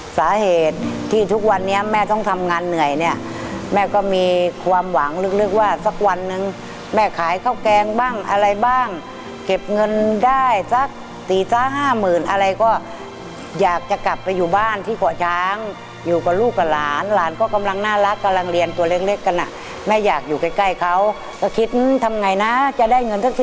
สาเหตุที่ทุกวันนี้แม่ต้องทำงานเหนื่อยเนี่ยแม่ก็มีความหวังลึกว่าสักวันหนึ่งแม่ขายข้าวแกงบ้างอะไรบ้างเก็บเงินได้สักตีสามห้าหมื่นอะไรก็อยากจะกลับไปอยู่บ้านที่เกาะช้างอยู่กับลูกกับหลานหลานก็กำลังน่ารักกำลังเรียนตัวเล็กกันอ่ะแม่อยากอยู่ใกล้ใกล้เขาก็คิดทำไงนะจะได้เงินสัก